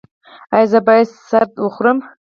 ایا زه باید سردا وخورم؟